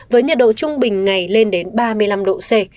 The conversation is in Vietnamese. với nhiệt độ trung bình ngày lên đến ba mươi năm độ c